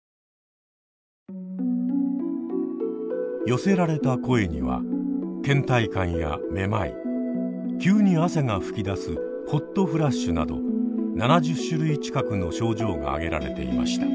寄せられた声にはけん怠感やめまい急に汗が噴き出すホットフラッシュなど７０種類近くの症状が挙げられていました。